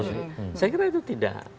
saya kira itu tidak